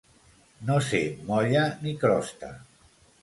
No ser molla ni crosta.